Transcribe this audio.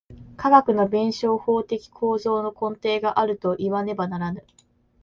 科学の弁証法的構造の根底があるといわねばならぬ。